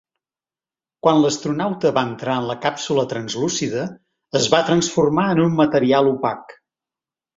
Quan l'astronauta va entrar en la càpsula translúcida, es va transformar en un material opac.